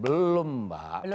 belum ada hasilnya